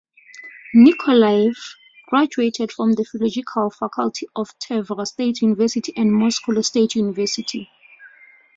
Nikolaev graduated from the philological faculty of Tver State University and Moscow State University.